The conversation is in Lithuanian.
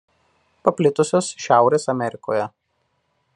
Paplitusios Šiaurės Amerikoje.